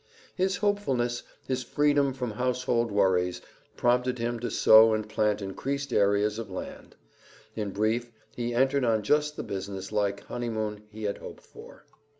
His hopefulness, his freedom from household worries, prompted him to sow and plant increased areas of land. In brief, he entered on just the business like honeymoon he had hoped for.